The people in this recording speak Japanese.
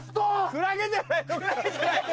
クラゲじゃないのか？